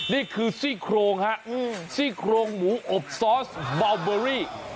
นี่คือซี่โครงฮะซี่โครงหมูอบซอสเบาเบอรี่